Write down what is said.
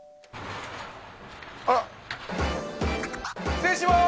失礼します！